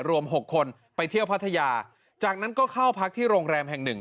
รวม๖คนไปเที่ยวพัทยาจากนั้นก็เข้าพักที่โรงแรมแห่งหนึ่ง